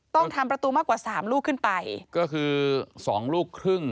ต้องทำประตูมากกว่าสามลูกขึ้นไปก็คือสองลูกครึ่ง